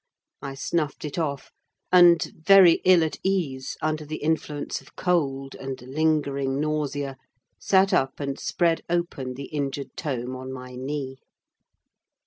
I snuffed it off, and, very ill at ease under the influence of cold and lingering nausea, sat up and spread open the injured tome on my knee.